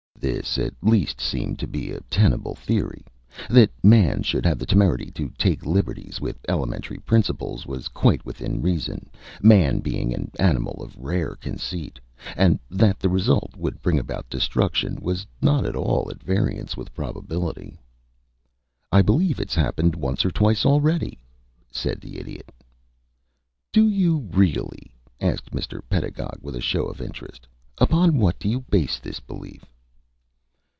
This at least seemed to be a tenable theory. That man should have the temerity to take liberties with elementary principles was quite within reason, man being an animal of rare conceit, and that the result would bring about destruction was not at all at variance with probability. "I believe it's happened once or twice already," said the Idiot. "Do you really?" asked Mr. Pedagog, with a show of interest. "Upon what do you base this belief?"